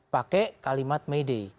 pakai kalimat mede